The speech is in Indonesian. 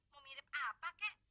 mau mirip apa kek